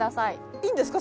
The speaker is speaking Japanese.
いいんですか？